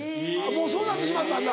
もうそうなってしまったんだ。